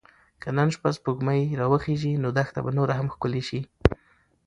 که نن شپه سپوږمۍ راوخیژي نو دښته به نوره هم ښکلې شي.